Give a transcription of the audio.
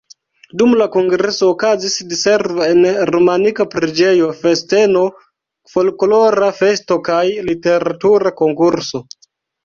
Dum la kongreso okazis diservo en romanika preĝejo, festeno, folklora festo kaj literatura konkurso.